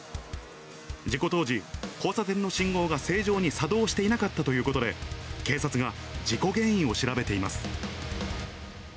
事故当時、交差点の信号が正常に作動していなかったということで、警察が事故原因を調べています。